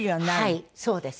はいそうです。